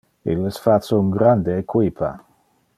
Illes face un grande equipa.